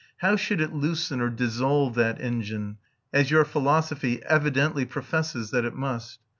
How should it loosen or dissolve that engine, as your philosophy evidently professes that it must?